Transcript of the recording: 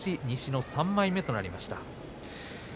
西の３枚目となりました。